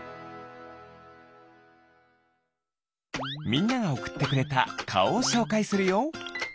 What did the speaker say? みんながおくってくれたかおをしょうかいするよ。